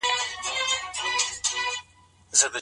په حديث شريف کي د مسلم لفظ مطلق ذکر دی؟